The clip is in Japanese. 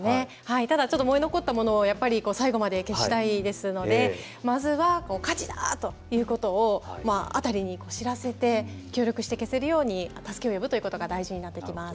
燃え残ったものを最後まで消したいですのでまずは、火事だ！ということを辺りに知らせて、協力して消せるように助けを呼ぶということが大事になってきます。